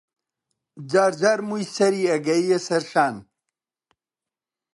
جارجار مووی سەری ئەگەییە سەر شان